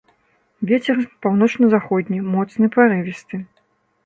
Вецер паўночна-заходні моцны парывісты.